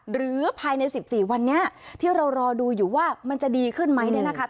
หรือภายใน๑๔วันนี้ที่เรารอดูอยู่ว่ามันจะดีขึ้นไหมเนี่ยนะคะ